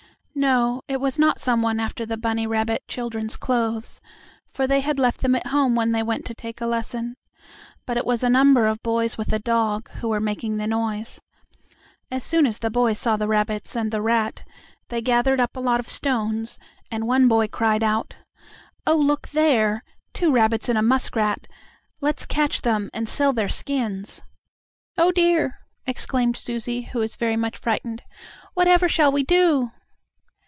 No, it was not some one after the bunny rabbit children's clothes, for they had left them at home when they went to take a lesson. But it was a number of boys with a dog, who were making the noise. As soon as the boys saw the rabbits and the rat they gathered up a lot of stones, and one boy cried out: "Oh, look there! Two rabbits and a muskrat! Let's catch them, and sell their skins!" "Oh, dear!" exclaimed Susie, who was very much frightened. "Whatever shall we do?"